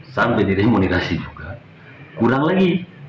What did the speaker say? sampai diremunikasi juga kurang lagi